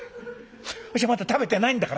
私はまだ食べてないんだから」。